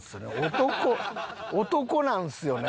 男男なんですよね。